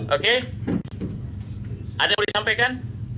oke ada yang boleh disampaikan